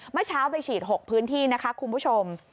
เมื่อเช้าไปฉีด๖พื้นที่นะคะคุณผู้ชม